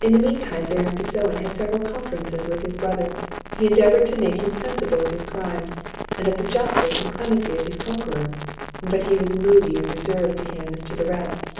In the meantime the Baron Fitz Owen had several conferences with his brother; he endeavoured to make him sensible of his crimes, and of the justice and clemency of his conqueror; but he was moody and reserved to him as to the rest.